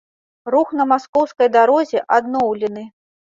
Рух на маскоўскай дарозе адноўлены.